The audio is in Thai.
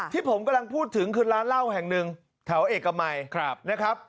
ที่ผมกำลังพูดถึงคือร้านเหล้าแห่งหนึ่งแถวเอกมัยนะครับ